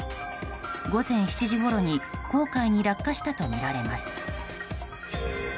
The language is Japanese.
午前７時ごろに黄海に落下したとみられます。